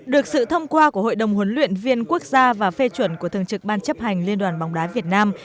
được sự thông qua của hội đồng huấn luyện viên quốc gia và phê chuẩn của thường trực ban chấp hành liên đoàn bóng đá việt nam